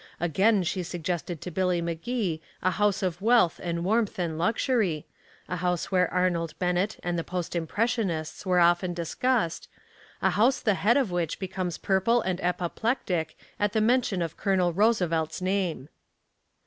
Again she suggested to Billy Magee a house of wealth and warmth and luxury, a house where Arnold Bennett and the post impressionists are often discussed, a house the head of which becomes purple and apoplectic at the mention of Colonel Roosevelt's name.